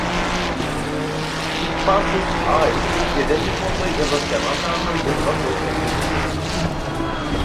Hippasus aýdyň subut eden hem bolsa irrasional sanlar ýyllar boýy kabul edilmedi.